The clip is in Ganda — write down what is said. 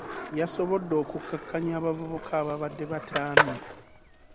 Yasobodde okukakkanya abavubuka ababadde bataamye.